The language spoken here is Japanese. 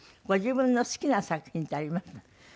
ご自分の好きな作品ってあります？